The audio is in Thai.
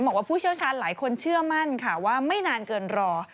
ผู้เชี่ยวชาญหลายคนเชื่อมั่นค่ะว่าไม่นานเกินรอ